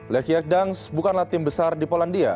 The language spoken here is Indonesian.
lechia dangs bukanlah tim besar di polandia